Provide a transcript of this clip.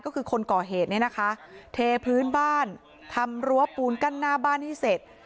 ก็คือคนก่อเหตุเนี่ยนะคะเทพื้นบ้านทำรั้วปูนกั้นหน้าบ้านให้เสร็จ